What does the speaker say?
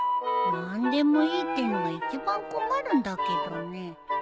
何でもいいってのが一番困るんだけどね。